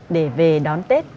để về đón tết